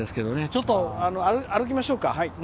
ちょっと歩きましょうか。